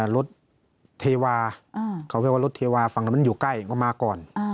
รถเทวาเขาเรียกว่ารถเทวาฝั่งนั้นมันอยู่ใกล้ก็มาก่อน